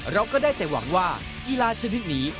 เราก็ได้แต่หวังว่ากีฬาชนิดนี้